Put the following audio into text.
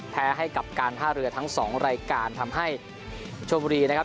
แพ้ให้กับการท่าเรือทั้งสองรายการทำให้ชมบุรีนะครับ